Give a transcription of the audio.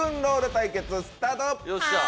対決スタート！